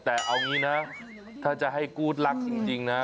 แต่เอางี้นะถ้าจะให้กู๊ดรักจริงนะ